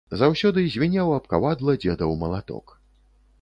Заўсёды звінеў аб кавадла дзедаў малаток.